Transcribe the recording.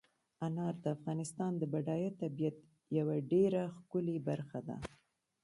انار د افغانستان د بډایه طبیعت یوه ډېره ښکلې برخه ده.